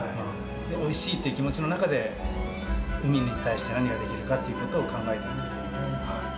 おいしいっていう気持ちの中で、海に対して何ができるかっていうことを考えていくという。